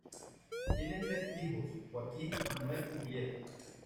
Tienen tres hijos, Joaquín, Manuel y Julieta.